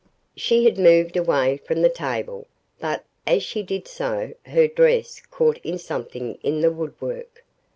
She had moved away from the table, but, as she did so, her dress caught in something in the woodwork.